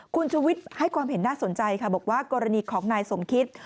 คุณชุวิตให้ความเห็นน่าสนใจค่ะบอกว่ากรณีของนายสมคิต